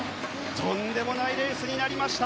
とんでもないレースになりました。